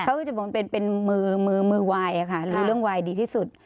เขาก็จะบอกว่าเป็นมือไวน์ค่ะหรือเรื่องไวน์ดีที่สุด